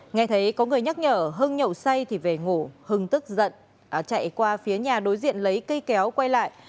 nghe thấy có người nhắc nhở hưng nhậu say thì về ngủ hưng tức giận chạy qua phía nhà đối diện lấy cây kéo quay lại